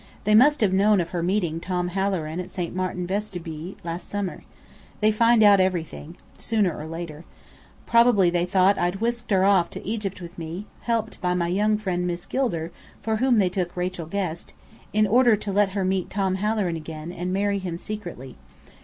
They must have known of her meeting Tom Halloran at St. Martin Vesubie, last summer. They find out everything, sooner or later. Probably they thought I'd whisked her off to Egypt with me (helped by my rich friend Miss Gilder, for whom they took Rachel Guest) in order to let her meet Tom Halloran again, and marry him secretly.